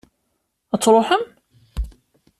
Ad truḥem?